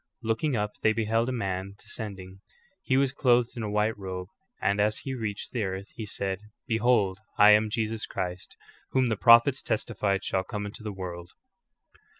"^ Looking up they beheld a man de scending. He was clothed in a white robe, and as he reached the earth he said : "Behold, I am Jesus Christ, whom the prophets testified shall come into the world.